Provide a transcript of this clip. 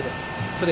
それ。